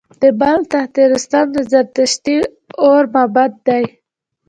د بلخ تخت رستم د زردشتي اور معبد دی